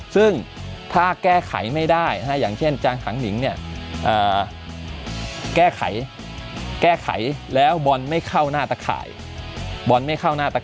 ซึ่งถ้าแก้ไขไม่ได้อย่างเช่นจังหังหนิงแก้ไขแล้วบอลไม่เข้าหน้าตะไข่